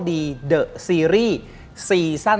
ดิงกระพวน